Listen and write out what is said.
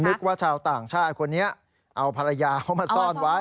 ว่าชาวต่างชาติคนนี้เอาภรรยาเขามาซ่อนไว้